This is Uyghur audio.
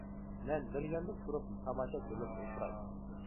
مەن بىر ياندىن تۇرۇپ تاماشا كۆرگەچ ئولتۇراي.